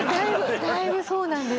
だいぶそうなんです。